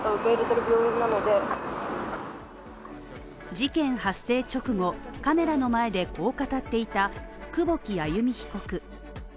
事件発生直後、カメラの前でこう語っていた久保木愛弓被告。